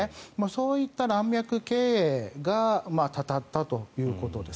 そういった乱脈経営がたたったということです。